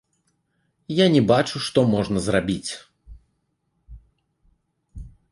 Я не бачу, што можна зрабіць.